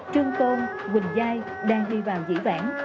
trương tôn quỳnh giai đang đi vào dĩ vãn